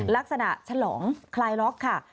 ลักษณะฉลองคลายล็อกค่ะ